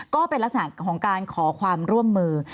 ก็เป็นลักษณะของการขอความร่วมมือ